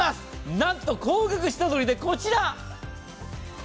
なんと高額下取りしてこちら。